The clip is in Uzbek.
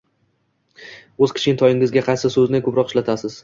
O‘z kichkintoyingizga qaysi so‘zni ko‘proq ishlatasiz